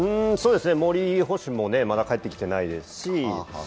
森捕手もまだ帰ってきてないですし。